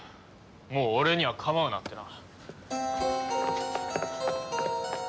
もう俺には構うなってな。